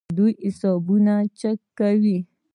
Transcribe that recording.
دوی حسابونه چک کوي.